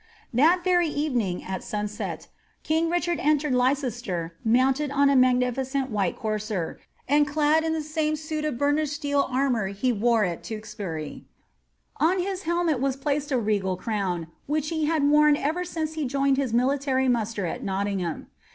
That very evening, at sunset, king Richard entered Leicester mounted on a magnificent white courser, and clad in the same suit of burnished steel armour he wore at Tewkesbury ; on his helmet was jJaced a regal crown which he had worn ever since he joined his military muster at Nottingham.